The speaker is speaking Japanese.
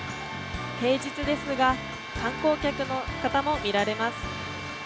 平日ですが観光客の方も見られます。